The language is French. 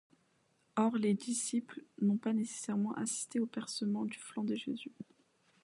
Or les disciples n'ont pas nécessairement assisté au percement du flanc de Jésus.